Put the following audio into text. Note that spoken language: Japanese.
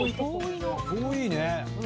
遠いね。